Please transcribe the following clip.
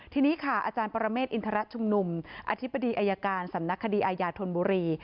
ทีนี้ค่ะอาจารย์ปรเมฆอินทรชุมนุมอธิบดีอายการสำนักคดีอาญาธนบุรี